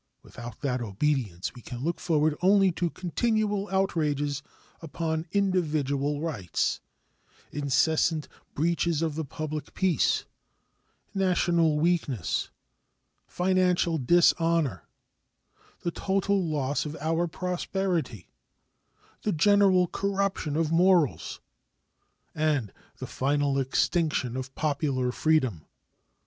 Without that obedience we can look forward only to continual outrages upon individual rights, incessant breaches of the public peace, national weakness, financial dishonor, the total loss of our prosperity, the general corruption of morals, and the final extinction of popular freedom.